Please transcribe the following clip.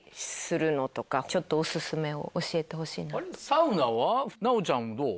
サウナは奈央ちゃんどう？